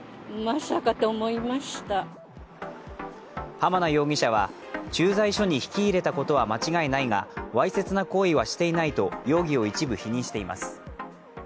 濱名容疑者は駐在所に引き入れたことは間違いないがわいせつな行為はしていないと容疑と一部否認しています。